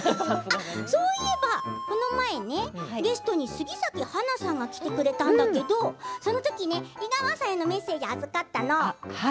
そういえば、この前ねゲストに杉咲花さんが来てくれたんだけどそのとき井川さんへのメッセージを預かったの。